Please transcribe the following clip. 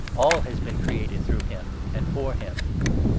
All has been created through him and for him.